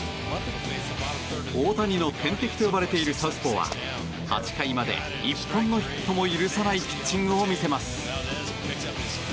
大谷の天敵と呼ばれているサウスポーは８回まで１本のヒットも許さないピッチングを見せます。